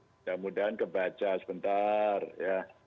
mudah mudahan kebaca sebentar ya